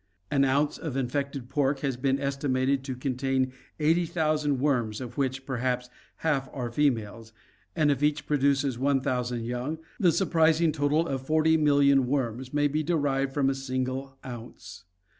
An ounce of infected pork has been estimated to contain 80,000 worms of which perhaps half are females, and if each produces 1000 young, the surprising total of 40,000,000 worms may be derived from a single ounce.